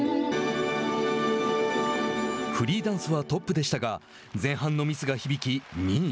フリーダンスはトップでしたが前半のミスが響き２位。